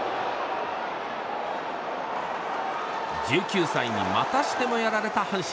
１９歳にまたしてもやられた阪神。